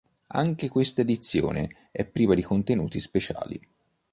Anche questa edizione è priva di contenuti speciali.